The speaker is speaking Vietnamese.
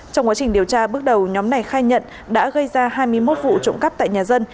trong quá trình điều tra bước đầu nhóm này khai nhận đã gây ra hai mươi một vụ trộm cắp tại nhà dân